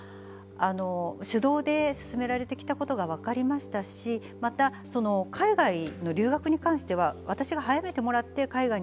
主導で進められてきたことがわかりましたし、また海外の留学に関しては私が早めてもらってという。